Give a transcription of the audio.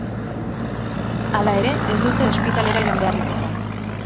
Hala ere, ez dute ospitalera joan beharrik izan.